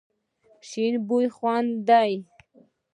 شنې بوی خوند دی.